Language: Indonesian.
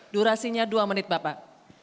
durasinya dua menit bapak